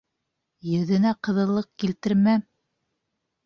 Йөҙөнә ҡыҙыллыҡ килтермәм.